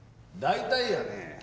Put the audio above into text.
大体やね